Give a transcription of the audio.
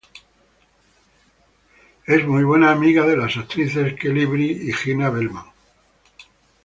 Es muy buena amiga de las actrices Kellie Bright y Gina Bellman.